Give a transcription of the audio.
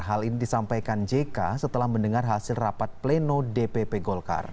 hal ini disampaikan jk setelah mendengar hasil rapat pleno dpp golkar